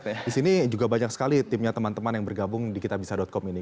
di sini juga banyak sekali timnya teman teman yang bergabung di kitabisa com ini